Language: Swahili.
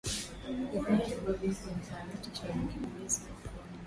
vivyo hivyo vimethibitishwa lakini akasema kuwa